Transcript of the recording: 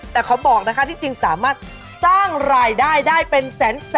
แต่ขอบอกนะคะที่จริงสามารถสร้างรายได้ได้เป็นแสน